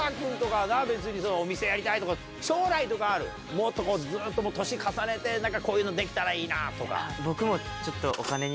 もっとこうずっと年重ねてこういうのできたらいいなとか。